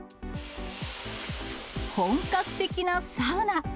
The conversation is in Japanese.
本格的なサウナ。